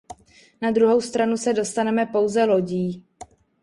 Na druhou stranu se dostaneme pouze lodí.